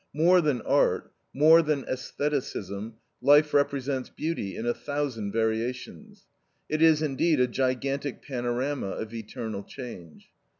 More than art, more than estheticism, life represents beauty in a thousand variations; it is, indeed, a gigantic panorama of eternal change.